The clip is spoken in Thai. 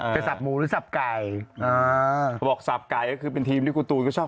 สับหมูหรือสับไก่อ่าบอกสับไก่ก็คือเป็นทีมที่คุณตูนก็ชอบ